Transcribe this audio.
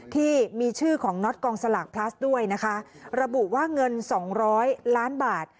ที่มีชื่อของน็อตกองสลากพลัสด้วยนะคะระบุว่าเงินสองร้อยล้านบาท